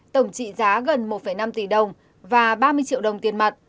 tổng trị giá gần một năm tỷ đồng và ba mươi triệu đồng tiền mặt